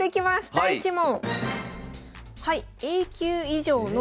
第１問。